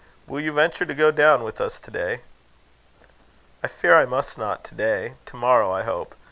"Will you venture to go down with us to day?" "I fear I must not to day. To morrow, I hope.